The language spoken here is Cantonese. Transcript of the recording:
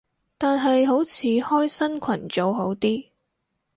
但係好似開新群組好啲